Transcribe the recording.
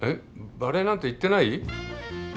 バレエなんて言ってない？